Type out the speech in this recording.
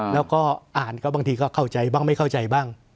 แล้วก็อ่านก็บางทีก็เข้าใจบ้างไม่เข้าใจบ้าง